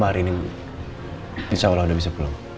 hari ini insya allah udah bisa pulang